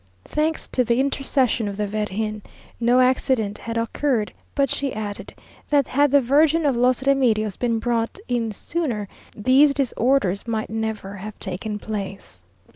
Thanks to the intercession of the Virgin, no accident had occurred; but she added, that had the Virgin of los Remedios been brought in sooner, these disorders might never have taken place.